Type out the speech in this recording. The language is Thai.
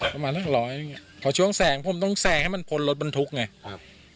ประมาณสักร้อยหนึ่งไงพอช่วงแสงผมต้องแสงให้มันพ้นรถบรรทุกไงครับ